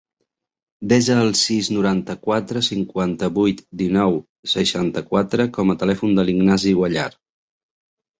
Desa el sis, noranta-quatre, cinquanta-vuit, dinou, seixanta-quatre com a telèfon de l'Ignasi Guallar.